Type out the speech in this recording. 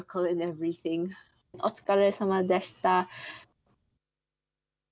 お疲れさまでした。